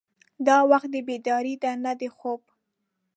دا وخت د بیدارۍ دی نه د خوب.